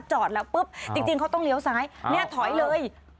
จอดแล้วปุ๊บจริงเขาต้องเลี้ยวซ้ายเนี่ยถอยเลย